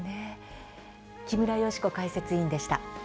木村祥子解説委員でした。